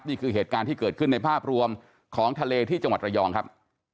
นี่คือเหตุการณ์ที่เกิดขึ้นในภาพรวมของทะเลที่จังหวัดระยองครับ